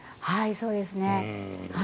そうですね。